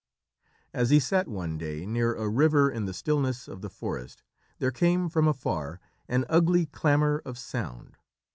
As he sat one day near a river in the stillness of the forest, there came from afar an ugly clamour of sound.